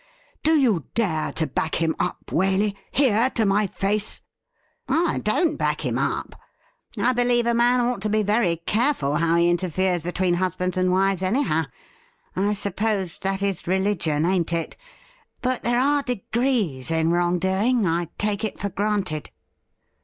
' Do you dare to back him up, Waley — ^here, to my face .'"' I don't back him up. I believe a man ought to be very careful how he interferes between husbands and wives, any how — I suppose that is religion, ain't it ? But there are degrees in wrong doing, I take it for granted.'